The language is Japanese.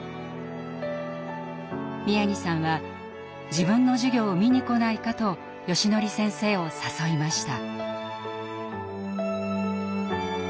宮城さんは自分の授業を見に来ないかとよしのり先生を誘いました。